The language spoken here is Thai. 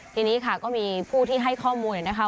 ทีนี้ค่ะก็มีผู้ที่ให้ข้อมูลนะคะ